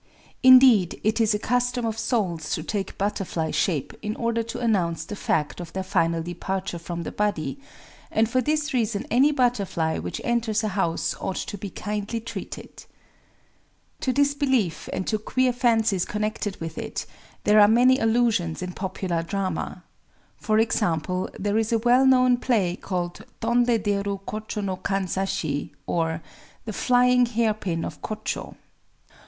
Indeed it is a custom of souls to take butterfly shape in order to announce the fact of their final departure from the body; and for this reason any butterfly which enters a house ought to be kindly treated. To this belief, and to queer fancies connected with it, there are many allusions in popular drama. For example, there is a well known play called Tondé déru Kochō no Kanzashi; or, "The Flying Hairpin of Kochō."